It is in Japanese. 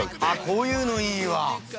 ◆こういうのいいわ。